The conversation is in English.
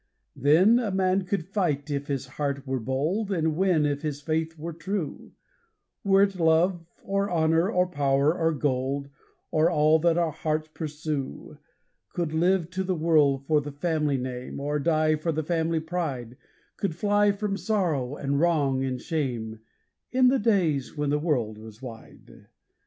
Then a man could fight if his heart were bold, and win if his faith were true Were it love, or honour, or power, or gold, or all that our hearts pursue; Could live to the world for the family name, or die for the family pride, Could fly from sorrow, and wrong, and shame in the days when the world was wide.